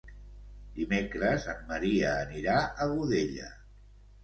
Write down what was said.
Dimecres en Maria anirà a Godella.